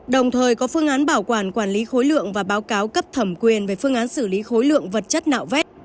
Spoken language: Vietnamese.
đồng thời có phương án bảo quản quản lý khối lượng và báo cáo cấp thẩm quyền về phương án xử lý khối lượng vật chất nạo vét